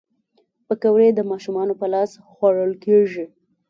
پکورې د ماشومانو په لاس خوړل کېږي